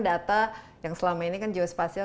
data yang selama ini kan geospasial